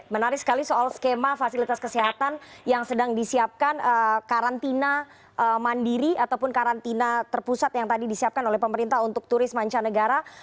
menarik sekali soal skema fasilitas kesehatan yang sedang disiapkan karantina mandiri ataupun karantina terpusat yang tadi disiapkan oleh pemerintah untuk turis mancanegara